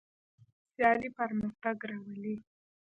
سیالي پرمختګ راولي.